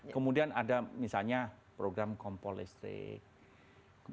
kemudian ada misalnya program kompor listrik